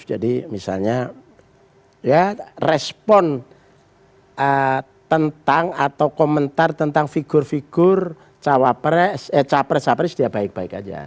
jadi misalnya ya respon tentang atau komentar tentang figur figur cawapres eh capres cawapres dia baik baik aja